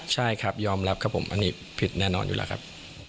ใช่ครับยอมรับครับผมอันนี้ผิดแน่นอนอยู่แล้วครับ